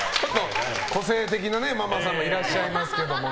個性的なママさんもいらっしゃいますけどね。